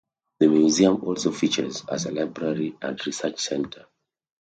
The museum also features a library and research center.